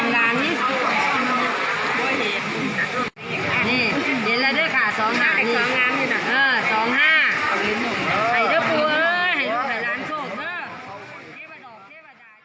นี่เดี๋ยวเราได้ขาสองหาดีเออสองห้าไหลเตอร์ปูเอ้ยไหลร้านโสดเถอะ